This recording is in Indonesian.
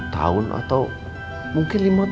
tujuh tahun atau mungkin lima tahun